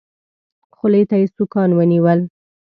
خولې ته يې سوکان ونيول.